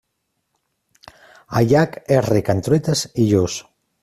El llac és ric en truites i lluç.